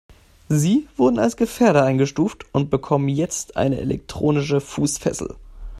Sie wurden als Gefährder eingestuft und bekommen jetzt eine elektronische Fußfessel.